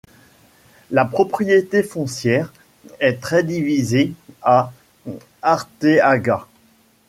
La propriété foncière est très divisée à Arteaga.